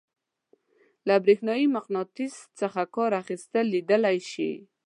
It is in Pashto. له برېښنايي مقناطیس څخه کار اخیستل لیدلی شئ.